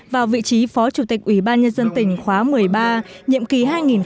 vào vị trí phó chủ tịch ubnd tỉnh khóa một mươi ba nhiệm kỳ hai nghìn một mươi sáu hai nghìn hai mươi một